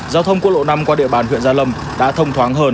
giao thông quốc lộ năm qua địa bàn huyện gia lâm đã thông thoáng hơn